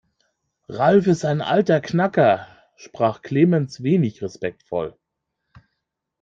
Ralf ist ein alter Knacker, sprach Clemens wenig respektvoll.